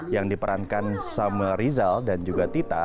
yang diperankan sama rizal dan juga tita